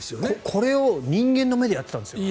これを人間の目でやっていたんです。